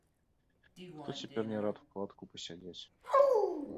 Хто цяпер не рад у халадку пасядзець!